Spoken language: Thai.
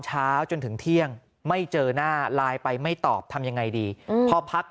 เช้าจนถึงเที่ยงไม่เจอหน้าไลน์ไปไม่ตอบทำยังไงดีพอพัก